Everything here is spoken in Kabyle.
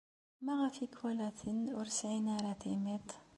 Maɣef ikwalaten ur sɛin ara timiḍt?